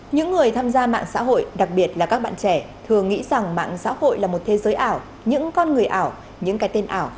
những người tham gia mạng xã hội đặc biệt là các bạn trẻ thường nghĩ rằng mạng xã hội là một thế giới ảo những con người ảo những cái tên ảo